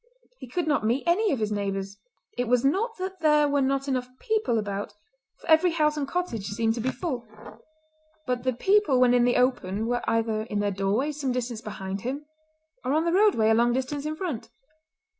He could not meet any of his neighbours. It was not that there were not enough people about, for every house and cottage seemed to be full; but the people when in the open were either in their doorways some distance behind him, or on the roadway a long distance in front.